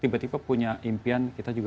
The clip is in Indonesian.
tiba tiba punya impian kita juga